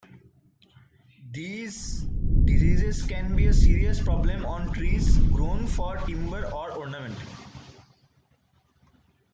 These diseases can be a serious problem on trees grown for timber or ornament.